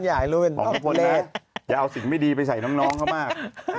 อย่าเอาสิ่งไม่ดีไปใส่น้องก็มาก